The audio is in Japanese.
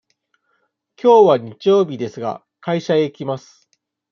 きょうは日曜日ですが、会社へ行きます。